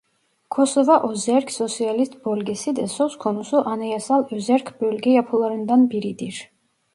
Kosova Özerk Sosyalist Bölgesi de söz konusu anayasal özerk bölge yapılarından biridir.